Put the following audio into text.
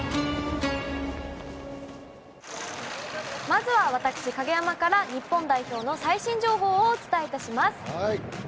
まずは私、影山から日本代表の最新情報をお伝えいたします！